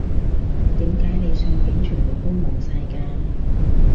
點解你相片全部都矇晒㗎